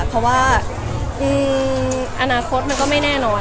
เพราะว่าอนาคตมันก็ไม่แน่นอน